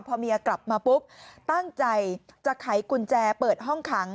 พอเมียกลับมาปุ๊บตั้งใจจะไขกุญแจเปิดห้องขัง